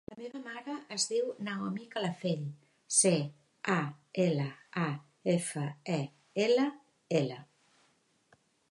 La meva mare es diu Naomi Calafell: ce, a, ela, a, efa, e, ela, ela.